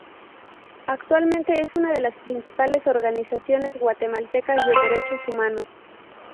Actualmente es una de las principales organizaciones guatemaltecas de derechos humanos.